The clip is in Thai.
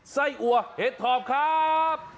ไส้อัวเดฏโทรปครับ